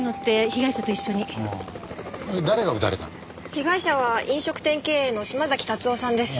被害者は飲食店経営の島崎達夫さんです。